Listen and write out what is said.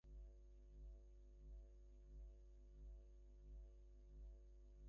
জগতের এই দুঃখ-সমস্যার একমাত্র সমাধান মানবজাতিকে শুদ্ধ ও পবিত্র করা।